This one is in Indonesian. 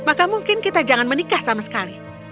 maka mungkin kita jangan menikah sama sekali